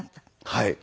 はい。